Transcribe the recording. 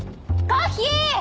コッヒー！